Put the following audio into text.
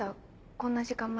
こんな時間まで。